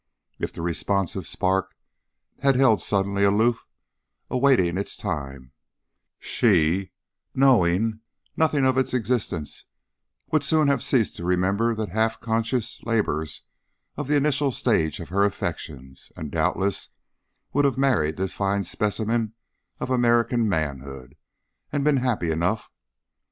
If the responsive spark had held sullenly aloof, awaiting its time, she, knowing nothing of its existence, would soon have ceased to remember the half conscious labours of the initial stage of her affections, and doubtless would have married this fine specimen of American manhood, and been happy enough.